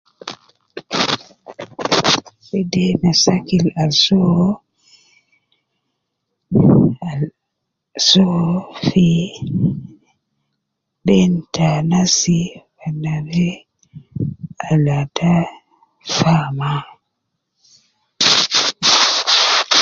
Wede mashakil al soo, al, soo fi beina te anas al ata faa ma